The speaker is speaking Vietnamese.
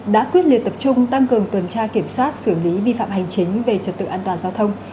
đã quyết liệt tập trung tăng cường tuần tra kiểm soát xử lý vi phạm hành chính về trật tự an toàn giao thông